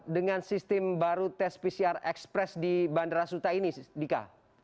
dengan sistem baru tes pcr ekspres di bandara suta ini dika